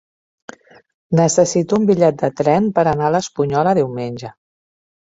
Necessito un bitllet de tren per anar a l'Espunyola diumenge.